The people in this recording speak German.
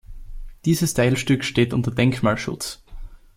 Dieses Teilstück steht unter Denkmalschutz.